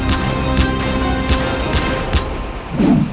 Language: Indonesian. saya akan menjaga kebenaran raden